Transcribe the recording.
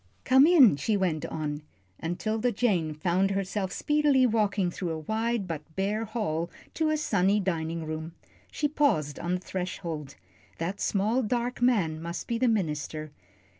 "Come in," she went on, and 'Tilda Jane found herself speedily walking through a wide but bare hall to a sunny dining room. She paused on the threshold. That small, dark man must be the minister.